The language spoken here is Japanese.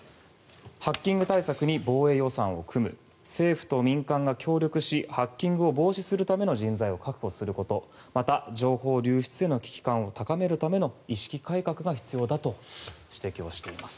ハッキング対策に防衛予算を組む政府と民間が協力しハッキングを防止するための人材を確保することまた、情報流出への危機感を高めるための意識改革が必要だと指摘しています。